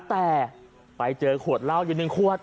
แต่ไปเจอขวดเหล้าอยู่๑ขวด